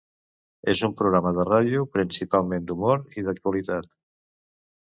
És un programa de ràdio principalment d'humor i d'actualitat.